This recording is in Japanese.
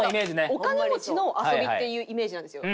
お金持ちの遊びっていうイメージなんですよ。